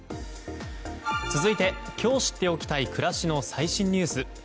続いて今日知っておきたい暮らしの最新ニュース。